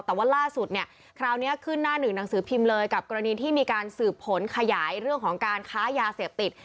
แต่ว่าล่าสุดเนี่ยคราวนี้ขึ้นหน้าหนึ่งหนังสือพิมพ์เลยกับกรณีที่มีการสืบผลขยายเรื่องของการค้ายาเสพติด